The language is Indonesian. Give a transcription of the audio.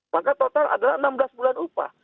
maka total adalah enam belas bulan upah